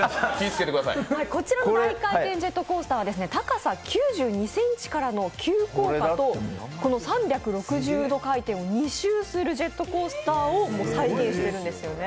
こちらの大回転ジェットコースターは高さ９２ｃｍからの急降下と３６０度回転を２周するジェットコースターを実現してるんですよね。